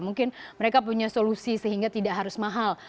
mungkin mereka punya solusi sehingga tidak harus mahal